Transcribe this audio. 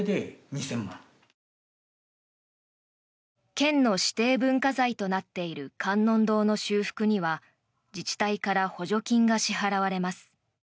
県の指定文化財となっている観音堂の修復には自治体から補助金が支払われます。